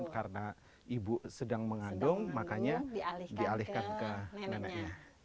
karena ibu sedang mengandung makanya dialihkan ke neneknya